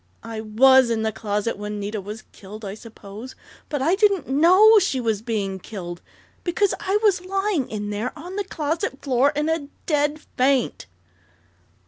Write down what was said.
"I was in the closet when Nita was killed, I suppose, but I didn't know she was being killed! _Because I was lying in there on the closet floor in a dead faint!